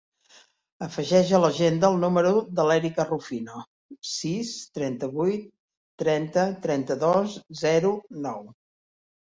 Afegeix a l'agenda el número de l'Erica Rufino: sis, trenta-vuit, trenta, trenta-dos, zero, nou.